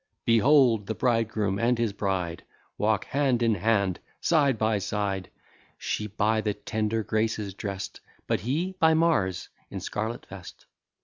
Behold, the bridegroom and his bride Walk hand in hand, and side by side; She, by the tender Graces drest, But he, by Mars, in scarlet vest.